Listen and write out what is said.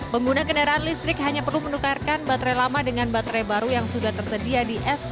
pengguna kendaraan listrik hanya perlu menukarkan baterai lama dengan baterai baru yang sudah tersedia di sp